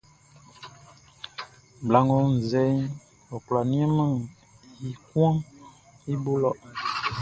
Bla ngʼɔ wunnzɛʼn, ɔ kwlá nianmɛn i kuanʼn i bo lɔ.